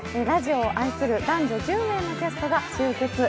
ラジオを愛する男女１０名のキャストが集結。